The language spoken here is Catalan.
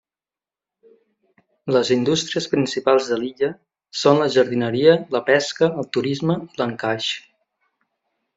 Les indústries principals de l'illa són la jardineria, la pesca, el turisme i l'encaix.